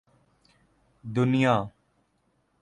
دنیا